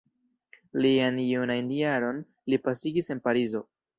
Liajn junajn jaron li pasigis en Parizo.